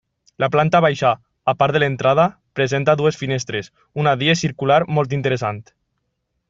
La planta baixa, a part de l'entrada, presenta dues finestres, una d'elles circular molt interessant.